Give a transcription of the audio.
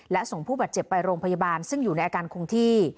และส่งผู้บาดเจ็บไปโรงพยาบาลซึ่งอยู่ในอาการคงที่